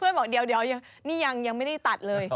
บอกเดี๋ยวนี่ยังไม่ได้ตัดเลย